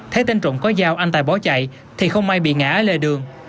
thấy tên trộm có dao anh tài bó chạy thì không may bị ngã ở lề đường